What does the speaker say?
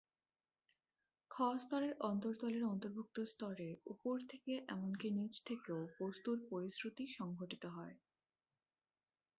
‘খ’ স্তরের অন্তর্তলের অন্তর্ভুক্ত স্তরে উপর থেকে এমনকি নিচ থেকেও বস্ত্তর পরিস্রুতি সংঘটিত হয়।